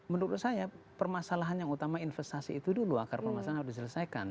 menurut saya permasalahan yang utama investasi itu dulu akar permasalahan harus diselesaikan